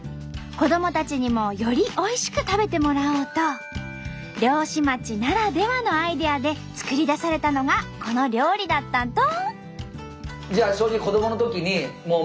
子どもたちにもよりおいしく食べてもらおうと漁師町ならではのアイデアで作り出されたのがこの料理だったんと！